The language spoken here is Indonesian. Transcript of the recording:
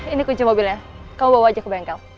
ini kunci mobilnya kau bawa aja ke bengkel